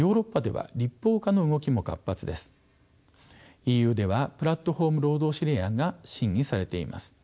ＥＵでは「プラットフォーム労働指令」案が審議されています。